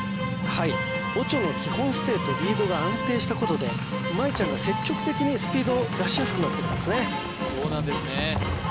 はいオチョの基本姿勢とリードが安定したことで舞ちゃんが積極的にスピードを出しやすくなっていますねそうなんですね